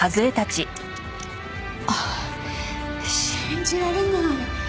ああっ信じられない！